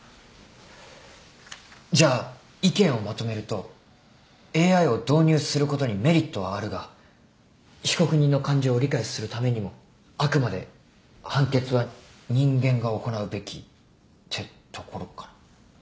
じゃあ意見をまとめるとＡＩを導入することにメリットはあるが被告人の感情を理解するためにもあくまで判決は人間が行うべきってところかな？